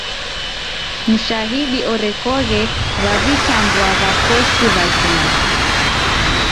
Mshahidi orekoghe waw'itambua w'akosi w'azima.